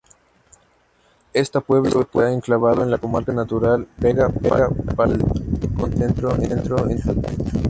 Esta pueblo está enclavado en la comarca natural Vega-Valdavia, con centro en Saldaña.